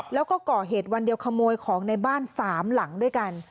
แล้วก็ก่อเหตุวันเดียวขโมยของในบ้าน๓หลังด้วยกัน